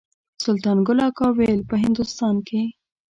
سلطان ګل اکا ویل په هندوستان کې.